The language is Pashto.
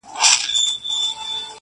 مه کوه گمان د ليوني گلي ,